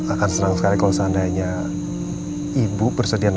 akan senang sekali kalau seandainya ibu bersedia